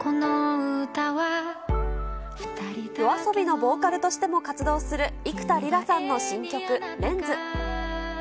ＹＯＡＳＯＢＩのボーカルとしても活動する幾田りらさんの新曲、レンズ。